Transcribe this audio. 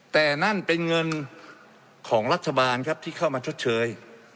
แต่นั่นเป็นเงินของรัฐบาลครับที่เข้ามาชดเชย